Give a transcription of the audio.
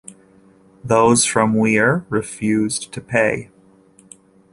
Those from Weare refused to pay.